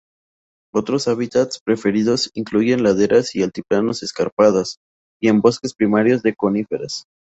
Otros hábitats preferidos incluyen laderas y altiplanos escarpadas, y en bosques primarios de coníferas.